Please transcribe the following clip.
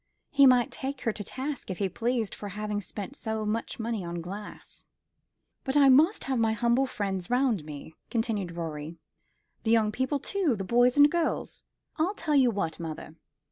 He might take her to task if he pleased for having spent so much money on glass. "But I must have my humble friends round me," continued Rorie. "The young people, too the boys and girls. I'll tell you what, mother.